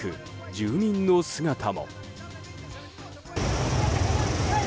住民の姿も。